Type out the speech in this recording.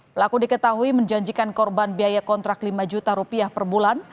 pelaku diketahui menjanjikan korban biaya kontrak lima juta rupiah per bulan